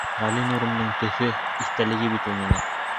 Ғәлинурымдың төҫө, иҫтәлеге бит ул миңә.